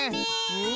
うん？